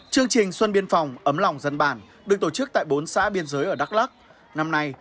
chương trình xuân biên phòng ấm lòng dân bản được tổ chức tại bốn xã biên giới ở đắk lắc năm nay